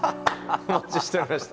お待ちしておりました。